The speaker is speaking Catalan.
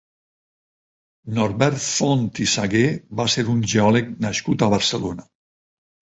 Norbert Font i Sagué va ser un geòleg nascut a Barcelona.